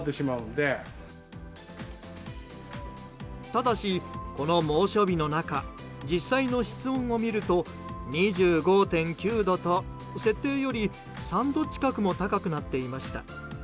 ただし、この猛暑日の中実際の室温を見ると２５．９度と設定より３度近くも高くなっていました。